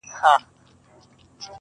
کورنۍ له دننه ماته سوې ده,